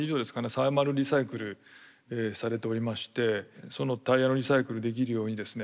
サーマルリサイクルされておりましてそのタイヤのリサイクルできるようにですね